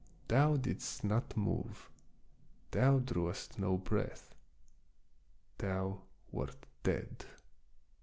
Thou didst not move ; thou drewest no breath ; thou wert dead